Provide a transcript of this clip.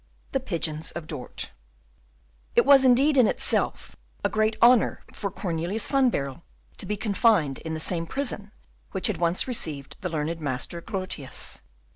The Pigeons of Dort It was indeed in itself a great honour for Cornelius van Baerle to be confined in the same prison which had once received the learned master Grotius.